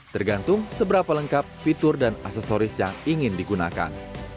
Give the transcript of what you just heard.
tergantung seberapa lengkap fitur dan aksesoris yang ingin digunakan